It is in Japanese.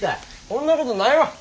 そんなことないわ。